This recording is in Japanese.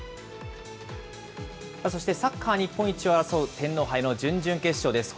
そしてサッカー日本一を争う天皇杯の準々決勝です。